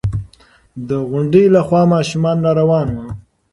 د غونډۍ له خوا ماشومان را روان وو.